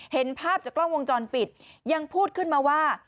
เห็นภาพจากกล้องวงจรปิดยังพูดขึ้นมาว่า